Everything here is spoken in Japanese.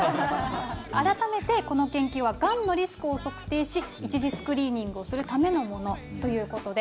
改めてこの研究はがんのリスクを測定し一次スクリーニングをするためのものということで。